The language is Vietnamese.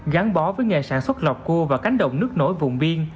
gắn bó với nghề sản xuất lọc cua và cánh đồng nước nổi vùng biên